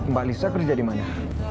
mbak lisa kerja di mana